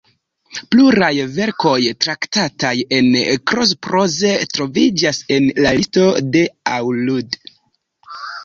Pluraj verkoj traktataj en Kroze – proze troviĝas en la listo de Auld.